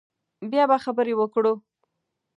بیا به خبرې وکړو